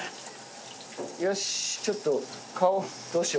よしちょっと顔どうしよう？